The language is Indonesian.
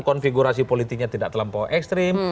konfigurasi politiknya tidak terlampau ekstrim